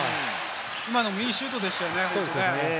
今のもいいシュートでしたよね。